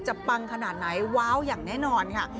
ปังขนาดไหนว้าวอย่างแน่นอนค่ะ